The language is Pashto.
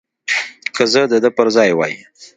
که زه د ده پر ځای وای.